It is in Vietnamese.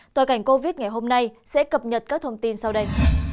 toàn cảnh covid ngày hôm nay sẽ cập nhật các thông tin sau đây